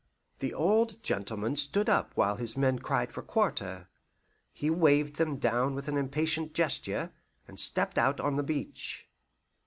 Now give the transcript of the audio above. The old gentleman stood up while his men cried for quarter. He waved them down with an impatient gesture, and stepped out on the beach.